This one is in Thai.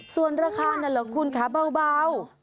ส่วนราคานั่นหรอกคุณคะเปล่า